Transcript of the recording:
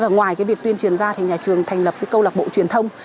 ngoài cái việc tuyên truyền ra thì nhà trường thành lập câu lạc bộ truyền thông